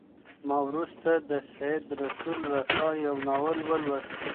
ما وروسته د سید رسول رسا یو ناول ولوست.